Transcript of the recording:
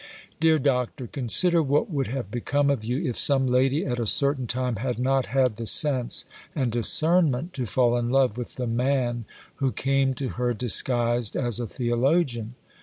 Dear Doctor, consider what would have become of you, if some lady at a certain time had not had the sense and discernment to fall in love with the man who came to her disguised as a theologian.